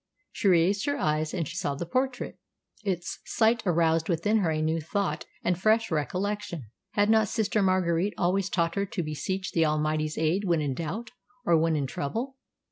She raised her eyes, and saw the portrait. Its sight aroused within her a new thought and fresh recollection. Had not Sister Marguerite always taught her to beseech the Almighty's aid when in doubt or when in trouble?